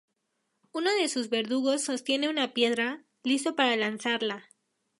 Uno de sus verdugos sostiene una piedra, listo para lanzarla.